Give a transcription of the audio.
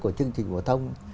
của chương trình phổ tông